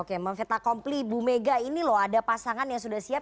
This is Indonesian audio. oke memfeit akompli bumega ini loh ada pasangan yang sudah siap